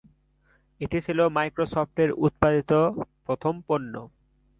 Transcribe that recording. এটি ছিল মাইক্রোসফটের উৎপাদিত প্রথম পণ্য।